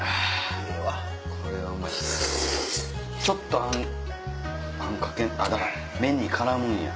ちょっとあんかけ麺に絡むんや。